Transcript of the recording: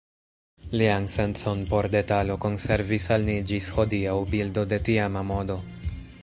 Lian sencon por detalo konservis al ni ĝis hodiaŭ bildo de tiama modo.